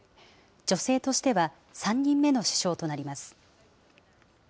女性としては３人目の首相となります。